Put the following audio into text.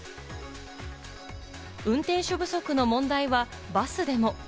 運転手不足の問題は、バスでも。